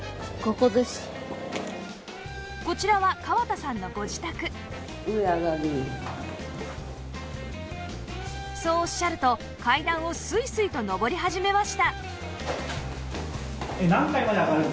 こちらはそうおっしゃると階段をスイスイと上り始めました